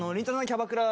キャバクラ